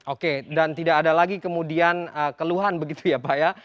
oke dan tidak ada lagi kemudian keluhan begitu ya pak ya